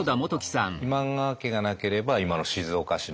今川家がなければ今の静岡市の。